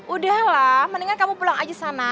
udahlah mendingan kamu pulang aja sana